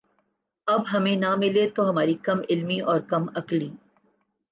اب ہمیں نہ ملے تو ہماری کم علمی اور کم عقلی